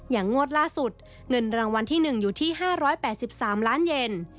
งวดล่าสุดเงินรางวัลที่๑อยู่ที่๕๘๓ล้านเย็น